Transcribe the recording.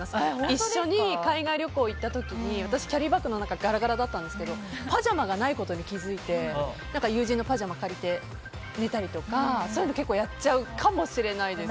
一緒に海外旅行に行った時私、キャリーバッグの中がガラガラだったんですけどパジャマがないことに気づいて友人のパジャマを借りて寝たりとか結構やっちゃうかもしれないです。